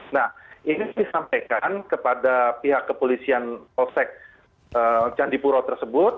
nah ini disampaikan kepada pihak kepolisian polsek candipuro tersebut